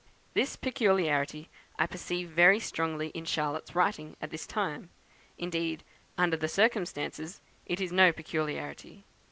This peculiarity I perceive very strongly in Charlotte's writings at this time. Indeed, under the circumstances, it is no peculiarity.